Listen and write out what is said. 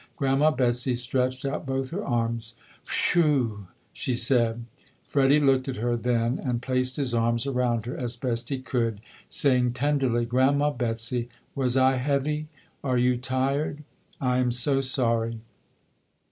Grandma Betsy stretched out both her arms. "Whew!" she said. Freddie looked at her then and placed his arms around her as best he could, saying tenderly, "Grandma Betsy, was I heavy? Are you tired? I am so sorry".